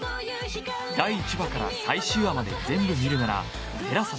第１話から最終話まで全部見るなら ＴＥＬＡＳＡ で